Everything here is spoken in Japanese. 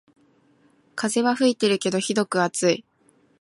風は吹いてるけどひどく暑い